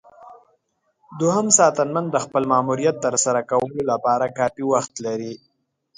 دوهم ساتنمن د خپل ماموریت ترسره کولو لپاره کافي وخت لري.